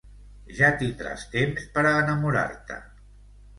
Ja tindràs temps per a enamorar-te.